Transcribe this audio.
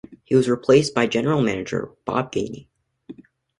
He was replaced by general manager, Bob Gainey.